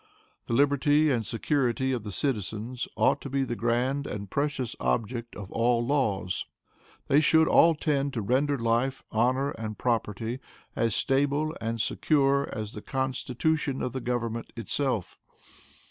The liberty and security of the citizens ought to be the grand and precious object of all laws; they should all tend to render life, honor and property as stable and secure as the constitution of the government itself.